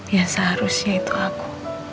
yang seharusnya itu aku